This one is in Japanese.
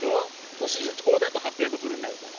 敏いとうだとハッピー＆ブルーになるから。